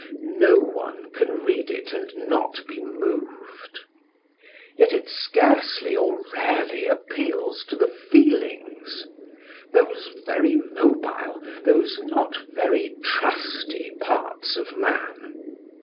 No one can read it and not be moved. Yet it scarcely or rarely appeals to the feelings those very mobile, those not very trusty parts of man.